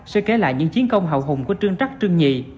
sẽ kế lại những chiến công hậu hùng của trương trắc trương nhị